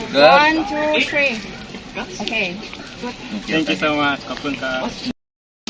ขอบคุณมากขอบคุณค่ะ